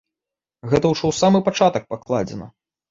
Гэта ўжо ў самы пачатак пакладзена.